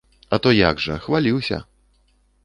А то як жа, хваліўся.